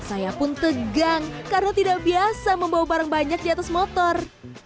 saya pun tegang karena tidak biasa membawa barang banyak di atas motor